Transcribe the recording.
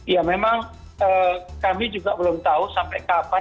ya memang kami juga belum tahu sampai kapan